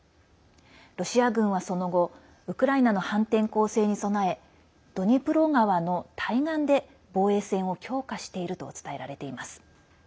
ロシア軍は、その後ウクライナの反転攻勢に備えドニプロ川の対岸で防衛線を強化していると伝えられています。